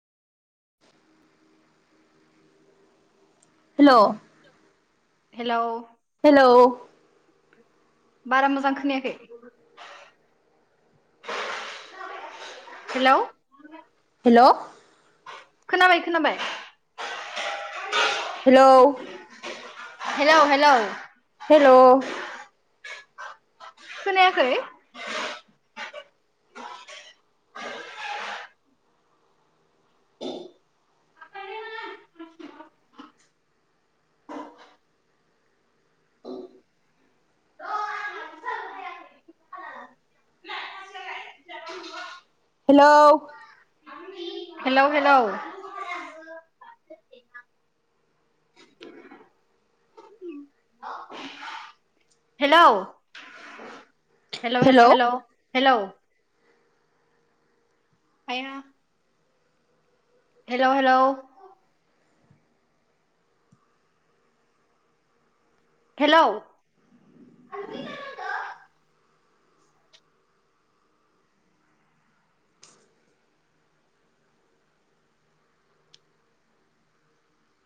Hello, hello, hello, बारा मोजां खोनायाखै हेलौ, हेलौ, खोनाबाय खोनाबाय हेलौ, हेलौ हेलौ, हेलौ, खोनायाखै hello. Hello hello. Hello. Hello hello hello hello. Hello आया। Hello hello. हेल'।